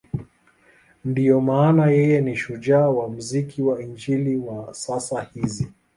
Ndiyo maana yeye ni shujaa wa muziki wa Injili wa sasa hizi.